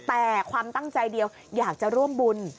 แต่ความตั้งใจเดียวอยากจะร่วมบุญ